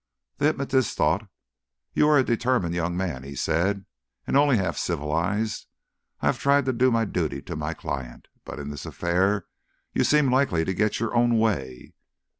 The hypnotist thought. "You are a determined young man," he said, "and only half civilised. I have tried to do my duty to my client, but in this affair you seem likely to get your own way...."